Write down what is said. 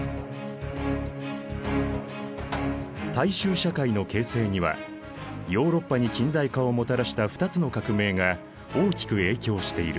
大衆社会の形成にはヨーロッパに近代化をもたらした二つの革命が大きく影響している。